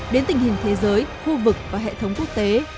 đến tình hình thế giới khu vực và hệ thống quốc tế